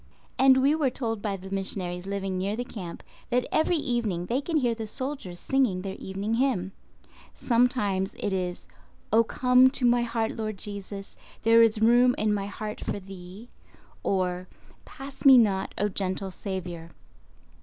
And we were told by the missionaries living near the camp that every evening they can hear the soldiers singing their evening hymn. Sometimes it is, "Oh, come to my heart Lord Jesus; there is room in my heart for Thee"—or "Pass me not, O gentle Saviour."